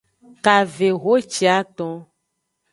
Kavehociaton.